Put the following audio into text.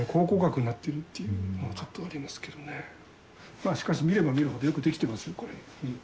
まあしかし見れば見るほどよく出来てますよこれ。